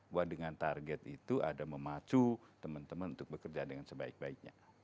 bahwa dengan target itu ada memacu teman teman untuk bekerja dengan sebaik baiknya